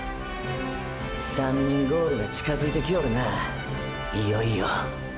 “３人ゴール”が近づいてきよるないよいよ！！